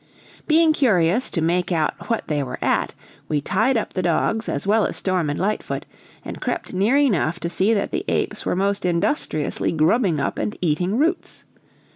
Being curious to make out what they were at, we tied up the dogs, as well as Storm and Lightfoot, and crept near enough to see that the apes were most industriously grubbing up and eating roots.